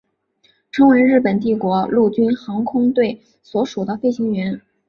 成为日本帝国陆军航空队所属的飞行员。